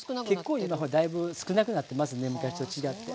結構今だいぶ少なくなってますね昔と違って。